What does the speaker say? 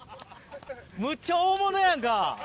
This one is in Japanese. むっちゃ大物やんか！